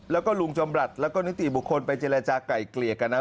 แล้วก็ลุงจำรัฐแล้วก็นิติบุคคลไปเจรจาก่ายเกลี่ยกันนะ